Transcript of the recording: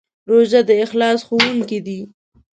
روژه د اخلاص ښوونکی دی.